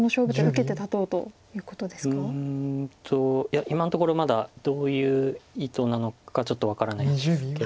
いや今のところまだどういう意図なのかちょっと分からないですけど。